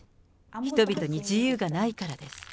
人々に自由がないからです。